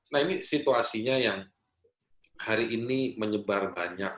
nah ini situasinya yang hari ini menyebar banyak